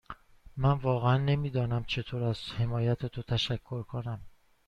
من واقعا نمی دانم چطور از حمایت تو تشکر کنم.